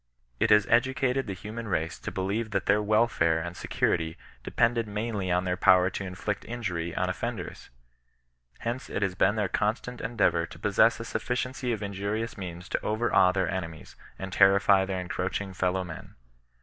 It has edu cated the human race to believe that their welfare and security depended mainly on their power to inflict in jury on offenders. Hence it has been their constant endeavour to possess a sufficiency of injurious means to overawe their enemies, and temfy their encroaching fellow men.